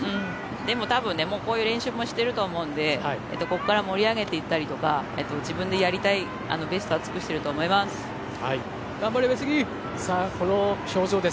でもたぶん、もうこういう練習もしてると思うのでここから盛り上げていったりとか自分でやりたいベストは尽くしてると思います。